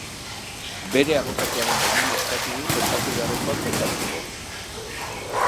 Bere abokatuaren baimena eskatu du kontatu beharrekoak kontatzeko.